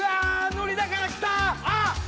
のりだから来た！